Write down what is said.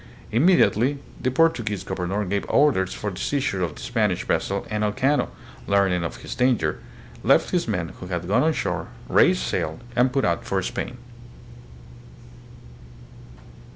Immediately the Portuguese governor gave orders for the seizure of the Spanish vessel and Elcano, learning of his danger, left his men who had gone on shore, raised sail, and put out for Spain.